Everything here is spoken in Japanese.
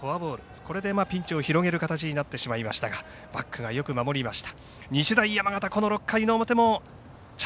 これでピンチを広げる形になってしまいましたがバックがよく守りました。